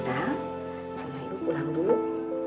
sama ibu pulang dulu